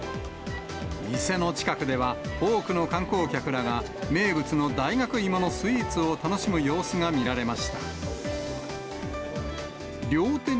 店の近くでは、多くの観光客らが名物の大学芋のスイーツを楽しむ様子が見られました。